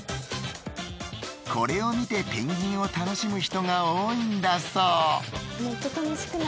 これを見てペンギンを楽しむ人が多いんだそう